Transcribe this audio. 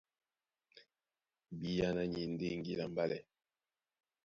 Bíáná ni e ndé ŋgila a mbálɛ.